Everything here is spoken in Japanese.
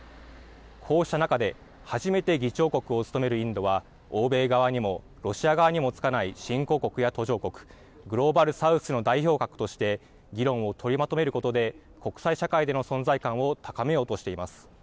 こうした中で初めて議長国を務めるインドは欧米側にもロシア側にもつかない新興国や途上国グローバルサウスの代表格として議論を取りまとめることで国際社会での存在感を高めようとしています。